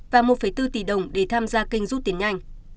và một bốn tỷ đồng để tham gia kênh rút tiền nhanh